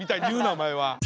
お前は。